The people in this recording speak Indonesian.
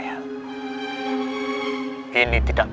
siap siap siap